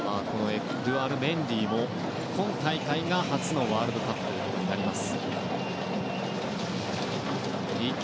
エドゥアール・メンディも今大会が初のワールドカップとなります。